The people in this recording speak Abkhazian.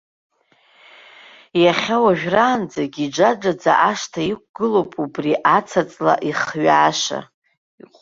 Иахьа уажәраанӡагь иџаџаӡа ашҭа иқәгылоуп убри аца-ҵла ихҩааша.